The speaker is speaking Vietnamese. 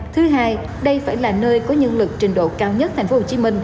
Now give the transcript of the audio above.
thứ hai đây phải là nơi có nhân lực trình độ cao nhất tp hcm